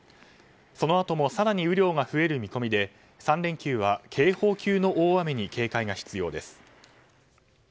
そのあとも更に雨量が増える見込みで、３連休は警報級の大雨に警戒が必要です。